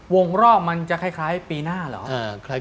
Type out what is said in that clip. วงรอบมันจะคล้ายปีหน้าเหรอ